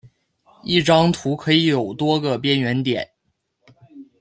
一张图可以有多个边缘点。